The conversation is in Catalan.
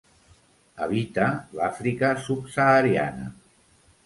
Habita l'Àfrica subsahariana.